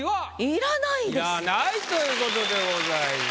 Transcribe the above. いらないということでございます。